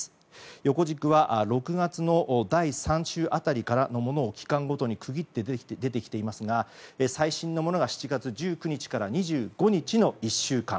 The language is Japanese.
横軸は６月の第３週辺りのものを期間ごとに区切って出てきていますが最新のものが７月１９日から２５日の１週間。